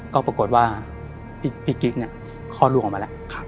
ก็ปรากฏว่าพี่กิ๊กคลอดลูกออกมาแล้ว